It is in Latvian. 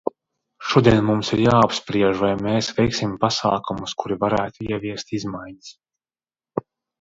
Šodien mums ir jāapspriež, vai mēs veiksim pasākumus, kuri varētu ieviest izmaiņas.